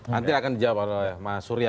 nanti akan dijawab oleh mas surya